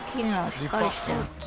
しっかりしてる。